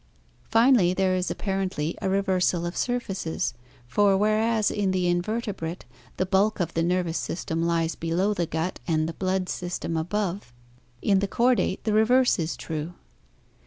Finally, there is ap parently a reversal of surfaces, for whereas in the invertebrate the bulk of the nervous system lies below the gut and the blood system above, in the chordate the reverse is true.